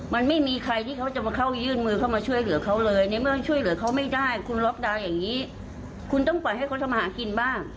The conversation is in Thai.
มันไม่มีใครที่เขาจะมาเข้ายื่นมือเข้ามาช่วยเหลือเขาเลยในเมื่อช่วยเหลือเขาไม่ได้คุณล็อกดาวน์อย่างนี้คุณต้องปล่อยให้เขาทำมาหากินบ้าง